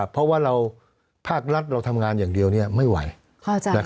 เพราะว่าภาครัฐเราทำงานอย่างเดียวไม่ไหว